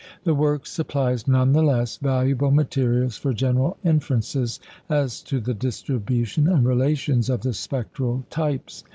The work supplies none the less valuable materials for general inferences as to the distribution and relations of the spectral types.